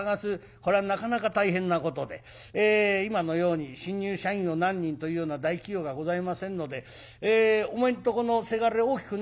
これはなかなか大変なことで今のように新入社員を何人というような大企業がございませんので「お前んとこのせがれ大きくなったろ？